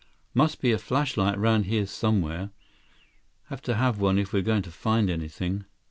"Must be a flashlight around here somewhere. Have to have one if we're going to find anything."